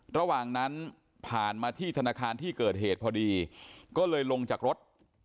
ระหว่างนั้นผ่านมาที่ธนาคารที่เกิดเหตุพอดีก็เลยลงจากรถ